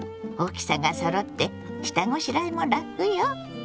大きさがそろって下ごしらえも楽よ。